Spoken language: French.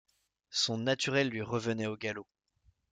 Son naturel lui revenait au galop.